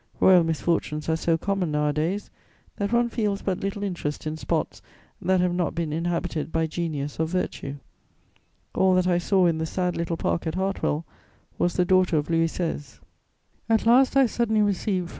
Royal misfortunes are so common nowadays that one feels but little interest in spots that have not been inhabited by genius or virtue. All that I saw in the sad little park at Hartwell was the daughter of Louis XVI. [Sidenote: Plenipotentiary at Verona.] At last, I suddenly received from M.